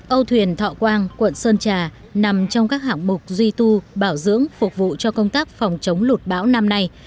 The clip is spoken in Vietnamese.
âu thuyền thọ quang quận sơn trà nằm trong các hạng mục duy tu bảo dưỡng phục vụ cho công tác phòng chống lụt bão năm nay